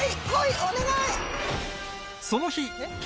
お願い！